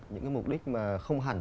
những mục đích mà không hẳn